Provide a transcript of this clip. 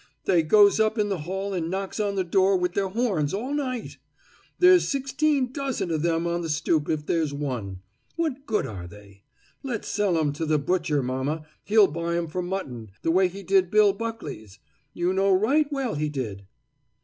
"They goes up in the hall and knocks on the door with their horns all night. There's sixteen dozen of them on the stoop, if there's one. What good are they? Let's sell 'em to the butcher, mama; he'll buy 'em for mutton, the way he did Bill Buckley's. You know right well he did."